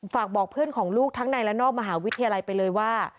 ฝากบอกเพื่อนของลูกทั้งในและนอกมหาวิทยาลัยไปเลยว่า